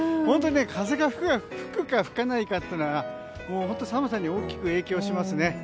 本当に風が吹くか吹かないかというのは寒さに大きく影響しますね。